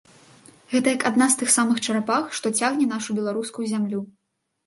Гэта як адна з тых самых чарапах, што цягне нашу беларускую зямлю.